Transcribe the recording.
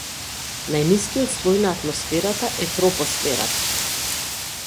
Најнискиот слој на атмосферата е тропосферата.